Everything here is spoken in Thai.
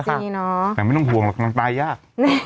สำหรับไม่ต้องห่วงแล้วตายยาก